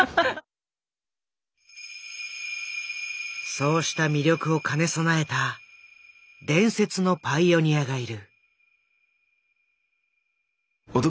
そうした魅力を兼ね備えた伝説のパイオニアがいる。